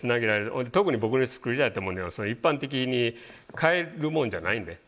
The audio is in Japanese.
特に僕の作りたいと思うのは一般的に買えるもんじゃないんで。